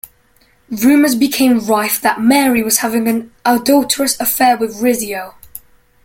Rumours became rife that Mary was having an adulterous affair with Rizzio.